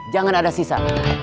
jangan ada sisa